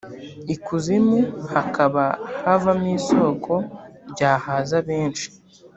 ikuzimu hakaba havamo isoko ryahaza benshi